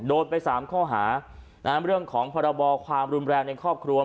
โดนไป๓ข้อหาเรื่องของพรบความรุนแรงในครอบครัว